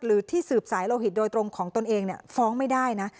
หรือที่สืบสายโลหิตโดยตรงของตนเองฟ้องไม่ได้นะ